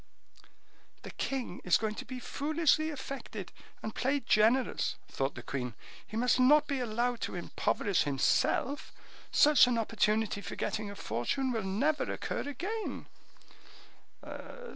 "The king is going to be foolishly affected and play generous," thought the queen; "he must not be allowed to impoverish himself; such an opportunity for getting a fortune will never occur again."